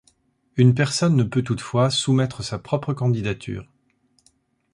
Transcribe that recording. Une personne ne peut toutefois soumettre sa propre candidature.